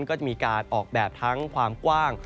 ก็จะมีการออกแบบทั้งความกว้าง